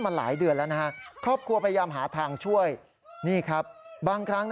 เป็นไง